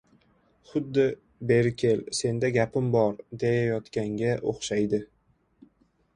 Xuddi, «beri kel, senda gapim bor», deyayotganga o‘xshaydi.